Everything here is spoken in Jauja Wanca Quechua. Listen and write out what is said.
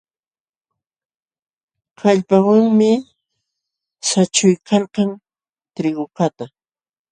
Kallpawanmi saćhuykalkan trigukaqta.